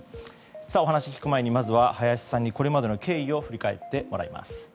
お話を聞く前に林さんにこれまでの経緯を振り返ってもらいます。